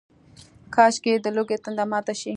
کاشکي، د لوږې تنده ماته شي